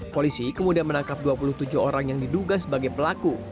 polisi kemudian menangkap dua puluh tujuh orang yang diduga sebagai pelaku